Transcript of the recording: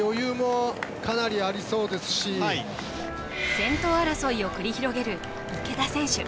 先頭争いを繰り広げる池田選手